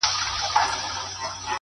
پدرلعنته حادثه ده او څه ستا ياد دی-